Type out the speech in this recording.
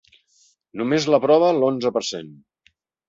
Només l’aprova l’onze per cent.